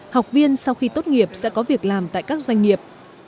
học viên sau khi tốt nghiệp sẽ có việc làm tại các doanh nghiệp